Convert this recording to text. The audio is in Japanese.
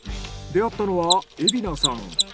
出会ったのは海老名さん。